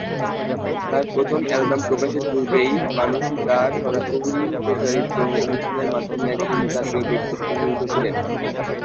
তাঁর প্রথম অ্যালবাম প্রকাশের পূর্বেই মানসী তাঁর সরাসরি প্রচারিত অনুষ্ঠানের মাধ্যমে একজন জাতীয় ব্যক্তিত্ব হয়ে উঠেছিলেন।